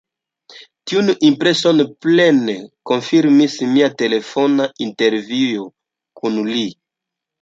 Tiun impreson plene konfirmis mia telefona intervjuo kun li.